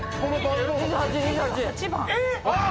「えっ！？」